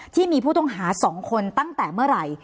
ที่มีผู้ต้องหา๒คนตั้งแต่เมื่อไหร่